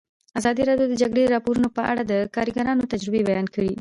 ازادي راډیو د د جګړې راپورونه په اړه د کارګرانو تجربې بیان کړي.